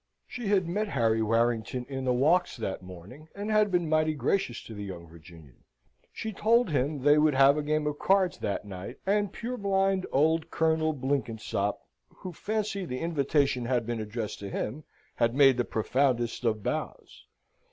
She had met Harry Warrington in the walks that morning, and had been mighty gracious to the young Virginian. She had told him they would have a game at cards that night; and purblind old Colonel Blinkinsop, who fancied the invitation had been addressed to him, had made the profoundest of bows.